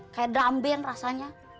kayak dramben rasanya